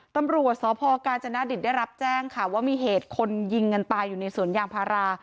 ตำรวจสพกาญจนดิตได้รับแจ้งค่ะว่ามีเหตุคนยิงกันตายอยู่ในสวนยางพารา